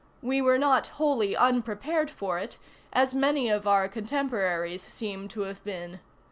We were not wholly unprepared for it, as many of our contemporaries seem to have been.